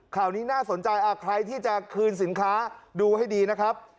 ข่าวนี้น่าสนใจใครที่จะคืนสินค้าดูให้ดีนะครับ